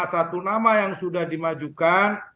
satu nama yang sudah dimajukan